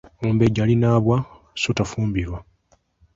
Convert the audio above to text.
Omumbejja Aliraanibwa so tafumbirwa.